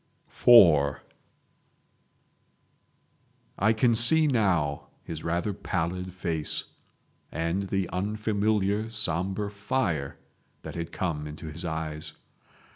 IV I can see now his rather pallid face, and the unfamiliar sombre fire that had come into his eyes.